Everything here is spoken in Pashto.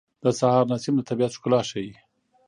د سهار نسیم د طبیعت ښکلا ښیي.